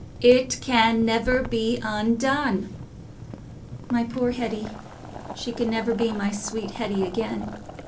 it can never be undone. My poor Hetty... she can never be my sweet Hetty again...